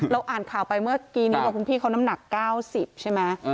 อ่านข่าวไปเมื่อกี้นี้บอกคุณพี่เขาน้ำหนัก๙๐ใช่ไหม